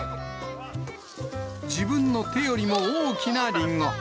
自分の手よりも大きなリンゴ。